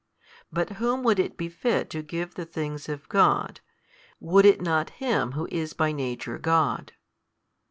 But whom would it befit to give the things of God? would it not Him Who is by Nature God?